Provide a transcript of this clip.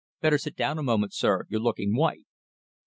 Better sit down a moment, sir. You're looking white."